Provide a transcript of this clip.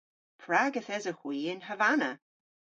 Prag yth esowgh hwi yn Havana?